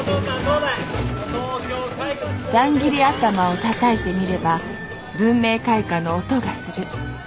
散切り頭をたたいてみれば文明開化の音がする。